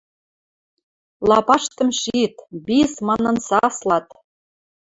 лапаштым шит, «Бис!» манын саслат.